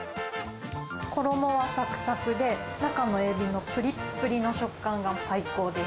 衣はさくさくで、中のエビのぷりっぷりの食感が最高です。